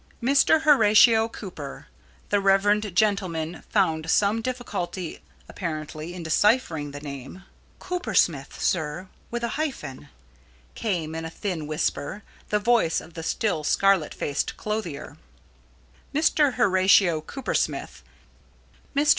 Mr. Horatio Copper the reverend gentleman found some difficulty, apparently, in deciphering the name. "Cooper Smith, sir, with an hyphen," came in a thin whisper, the voice of the still scarlet faced clothier. Mr.